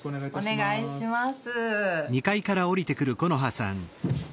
お願いします。